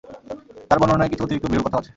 তার বর্ণনায় কিছু অতিরিক্ত বিরল কথাও আছে।